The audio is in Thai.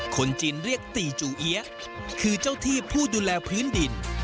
คนจีนเรียกตีจูเอี๊ยะคือเจ้าที่ผู้ดูแลพื้นดิน